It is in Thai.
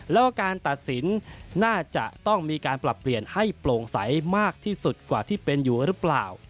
แล้วการตัดสินน่าจะต้องมีการปรับเปลี่ยนให้โปร่งใสมากที่สุดกว่าที่เป็นอยู่หรือเปล่า